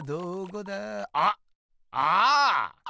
あっああ！